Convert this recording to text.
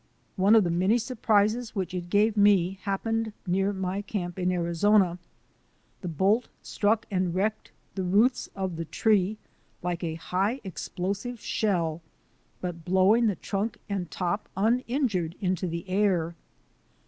One of the many surprises which it gave me hap pened near my camp in Arizona. The bolt struck and wrecked the roots of the tree like a high ex plosive shell, but blowing the trunk and top unin jured into the air.